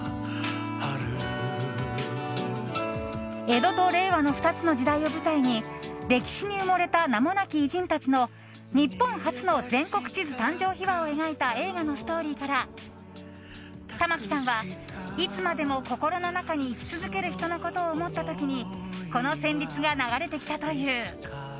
江戸と令和の２つの時代を舞台に歴史に埋もれた名もなき偉人たちの日本初の全国地図誕生秘話を描いた映画のストーリーから玉置さんは、いつまでも心の中に生き続ける人のことを思った時にこの旋律が流れてきたという。